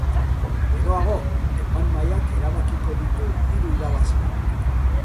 Geroago, epaimahaiak erabakiko ditu hiru irabazleak.